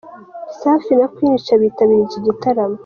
Safi na Queen Cha bitabiriye iki gitaramo.